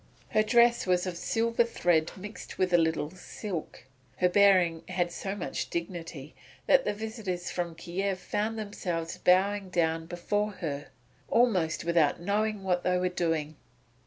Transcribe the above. Her dress was of silver thread mixed with a little silk, and her bearing had so much dignity that the visitors from Kiev found themselves bowing down before her almost without knowing what they were doing.